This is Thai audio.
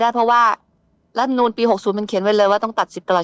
เพราะว่ารัฐมนูลปี๖๐มันเขียนไว้เลยว่าต้องตัดสิทธิตลอด